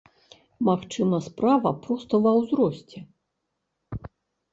Магчыма, справа проста ва ўзросце.